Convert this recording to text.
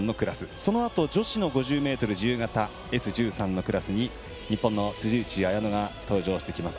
そのあと、女子の５０ｍ自由形Ｓ１３のクラスに日本の辻内彩野登場してきます。